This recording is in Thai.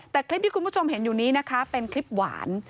แต่คลิปที่คุณผู้ชมเห็นอยู่นี้นะคะเป็นคลิปหวาน